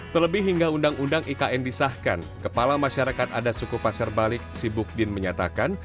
terlebih hingga undang undang ikn disahkan kepala masyarakat adat suku pasir balik sibukdin menyatakan